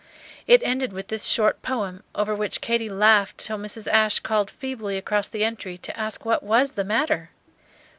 It ended with this short "poem," over which Katy laughed till Mrs. Ashe called feebly across the entry to ask what was the matter?